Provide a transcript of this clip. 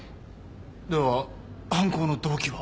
では犯行の動機は？